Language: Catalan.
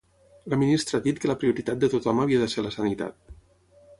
La ministra ha dit que la prioritat de tothom havia de ser la sanitat.